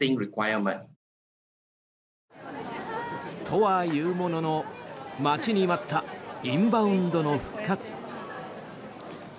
とは言うものの、待ちに待ったインバウンドの復活。